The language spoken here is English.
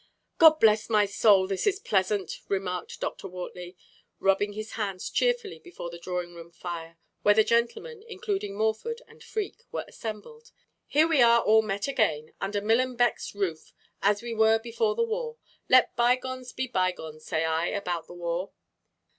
"God bless my soul, this is pleasant!" remarked Dr. Wortley, rubbing his hands cheerfully before the drawing room fire, where the gentlemen, including Morford and Freke, were assembled. "Here we are all met again, under Millenbeck's roof, as we were before the war. Let by gones be by gones, say I, about the war."